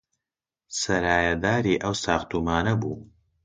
سەرایەداری ئەو ساختومانە بوو